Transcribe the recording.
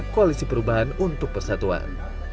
koalisi perubahan untuk persatuan